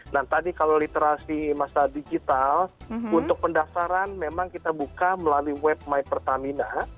nah tadi kalau literasi masa digital untuk pendaftaran memang kita buka melalui web my pertamina